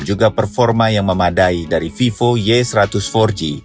juga performa yang memadai dari vivo y satu ratus empat g